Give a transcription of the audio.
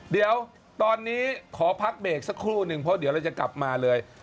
เดี๋ยวตอนนี้ขอพักเบรกสักครู่หนึ่งเพราะเดี๋ยวเราจะกลับมาเลย